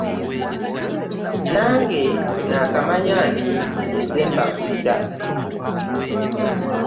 Nange nakamanya nti nze nkulira.